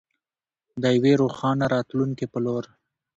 د یوې روښانه راتلونکې په لور.